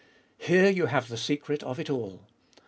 here you have the secret of it all